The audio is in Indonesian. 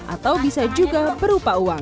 atau bisa juga berupa uang